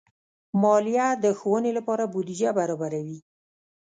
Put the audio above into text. مالیه د ښوونې لپاره بودیجه برابروي.